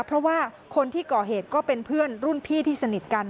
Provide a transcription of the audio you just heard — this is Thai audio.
เพราะว่าคนที่ก่อเหตุก็เป็นเพื่อนรุ่นพี่ที่สนิทกัน